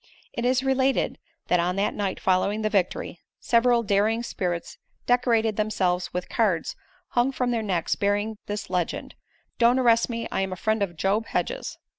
It is related that on the night following the victory, several daring spirits decorated themselves with cards hung from their necks bearing this legend, "Don't arrest me, I am a friend of Job Hedges."